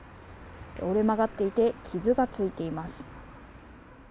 折れ曲がっていて傷がついています。